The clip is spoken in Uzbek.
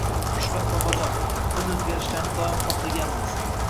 Shuhrat Bobojon: Biz o‘zgarishlarni doim xohlaganmizng